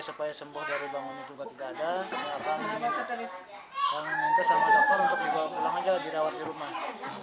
dan minta sama dokter untuk bawa pulang aja dirawat di rumah